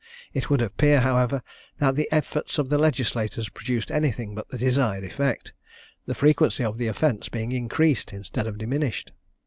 It would appear, however, that the efforts of legislators produced anything but the desired effect, the frequency of the offence being increased instead of diminished.